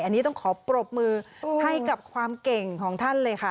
อันนี้ต้องขอปรบมือให้กับความเก่งของท่านเลยค่ะ